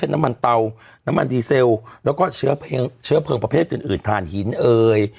น้ำมันเตาน้ำมันดีเซลแล้วก็เชื้อเพลิงประเภทอื่นอื่นฐานหินเอ่ย